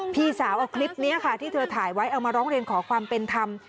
พี่สาวเอาคลิปนี้ค่ะที่เธอถ่ายไว้เอามาร้องเรียนขอความเป็นธรรม